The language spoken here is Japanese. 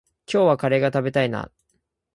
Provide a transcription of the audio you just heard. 今日はカレーが食べたいな。